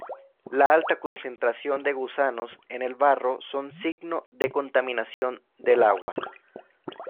La alta concentración de gusanos en el barro son signo de contaminación del agua.